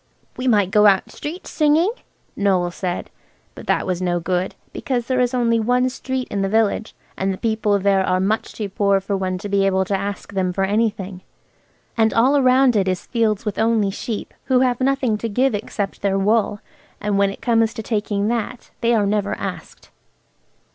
"We might go out street singing," Noël said. But that was no good, because there is only one street in the village, and the people there are much too poor for one to be able to ask them for anything. And all round it is fields with only sheep, who have nothing to give except their wool, and when it comes to taking that, they are never asked.